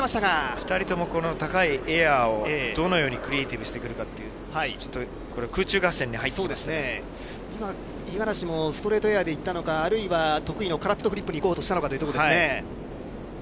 ２人ともこの高いエアを、どのようにクリエーティブしてくるかという、ちょっとこれ、そうですね、今、五十嵐もストレートエアでいったのか、あるいは得意のカラフトフリップにいこうとしたのか。